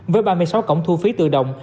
với ba mươi sáu cổng thu phí tự động